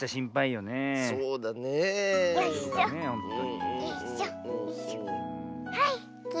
よいしょと。